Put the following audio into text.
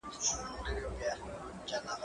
زه اجازه لرم چي پاکوالي وساتم؟!